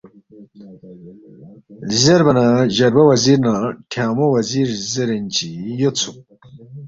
زیربا نہ جربہ وزیر نہ ٹھیانگمو وزیر زیرین چی یودسُوک،